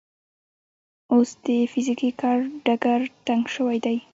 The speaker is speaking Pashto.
اوس د فزیکي کار ډګر تنګ شوی دی.